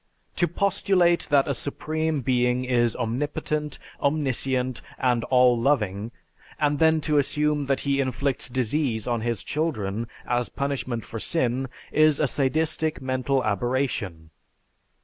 To postulate that a supreme being is omnipotent, omniscient, and all loving, and then to assume that he inflicts disease on his children as punishment for sin is a sadistic mental aberration.